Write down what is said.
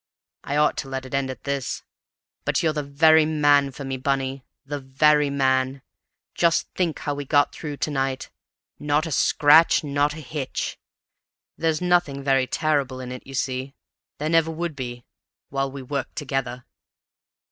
I ought to let it end at this. But you're the very man for me, Bunny, the very man! Just think how we got through to night. Not a scratch not a hitch! There's nothing very terrible in it, you see; there never would be, while we worked together."